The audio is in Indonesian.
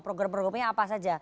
program programnya apa saja